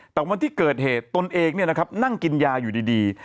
แต่วันที่เกิดเหตุตนเองนั่งกินยาอยู่ดี